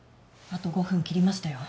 あと５分切りましたよ。